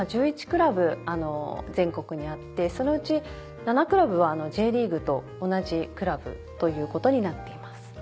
クラブ全国にあってその内７クラブはＪリーグと同じクラブということになっています。